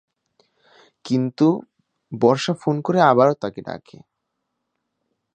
কিন্তু "বর্ষা" ফোন করে আবারও তাকে ডাকে।